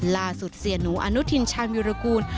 ลาสุทธิ์เสียหนูอานุทินชามยุรกูล